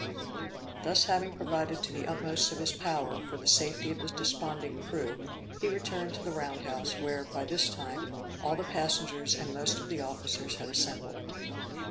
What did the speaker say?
Having thus provided to the utmost of his power, for the safety of the desponding crew, he returned to the round house, where, by this time, all the passengers, and most of the officers had assembled.